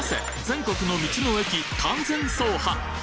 全国の道の駅完全走破！